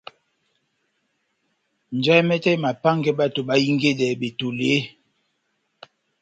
Njahɛ mɛtɛ emapángɛ bato bahingedɛ betoli eeeh ?